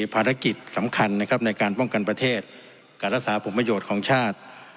ภารกิจสำคัญนะครับในการป้องกันประเทศการรักษาผลประโยชน์ของชาติ